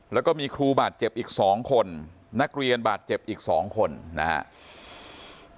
แล้วก็มีครูบาดเจ็บอีก๒คนนักเรียนบาดเจ็บอีก๒คนนะครับ